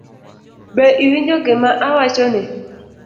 Be iwinjo gima awachoni?